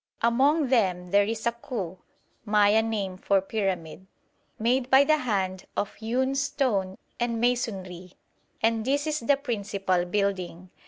Among them there is a Cu (Maya name for pyramid) made by the hand of hewn stone and masonry, and this is the principal building.